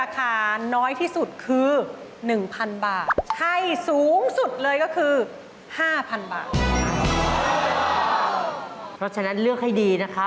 ถามเพื่อนก่อนสิ